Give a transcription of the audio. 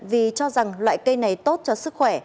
vì cho rằng loại cây này tốt cho sức khỏe